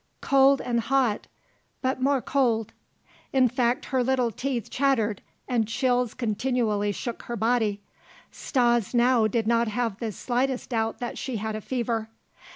"Cold and hot, but more cold " In fact her little teeth chattered and chills continually shook her body. Stas now did not have the slightest doubt that she had a fever.